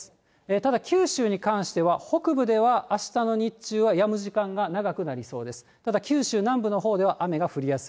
ただ九州に関しては、北部ではあしたの日中はやむ時間が長くなりそうです。